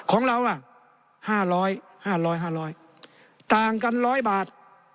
ของเราอ่ะห้าร้อยห้าร้อยห้าร้อยต่างกันร้อยบาท